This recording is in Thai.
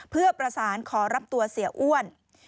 เพื่อประสานขอรับตัวเสียอ้วน